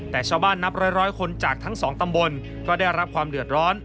แต่ชาวบ้านนับร้อยคนจากทั้งสองตำบลก็ได้รับความเดือดร้อน